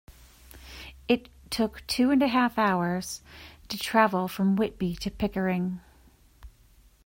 It took two and a half hours to travel from Whitby to Pickering.